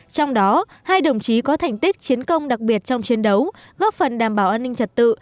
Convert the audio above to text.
trong đó hai đồng chí có thành tích chiến công đặc biệt trong chiến đấu góp phần đảm bảo an ninh trật tự